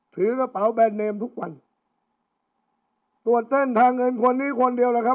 ถือกระเป๋าแบรนดเนมทุกวันตรวจเส้นทางเงินคนนี้คนเดียวแหละครับ